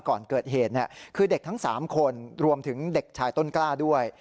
ก่อนเกิดเหตุคือเด็กทั้ง๓คนรวมถึงเด็กชายต้นกล้าด้วย